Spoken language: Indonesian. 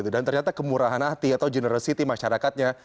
dan ternyata kemurahan hati atau generosity masyarakatnya